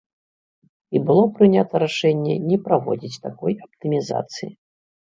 І было прынята рашэнне не праводзіць такой аптымізацыі.